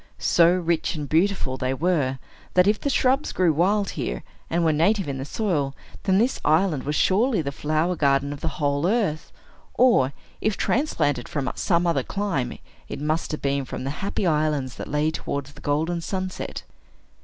So rich and beautiful they were, that, if the shrubs grew wild here, and were native in the soil, then this island was surely the flower garden of the whole earth; or, if transplanted from some other clime, it must have been from the Happy Islands that lay towards the golden sunset.